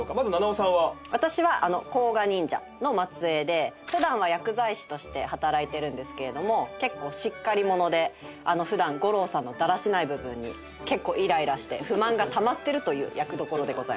私は甲賀忍者の末裔で普段は薬剤師として働いてるんですけれども結構しっかり者で普段悟郎さんのだらしない部分にイライラして不満がたまってるという役どころでございます。